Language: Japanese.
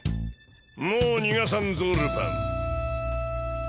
もう逃がさんぞルパン。